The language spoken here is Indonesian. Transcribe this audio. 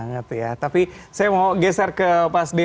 tapi saya mau geser ke pak sdeo tapi saya mau geser ke pak sdeo